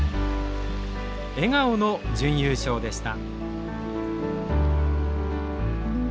笑顔の準優勝でした。